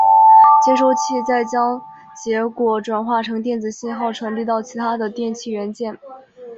接收器再将结果转换成电子信号传递到其它的电气元件。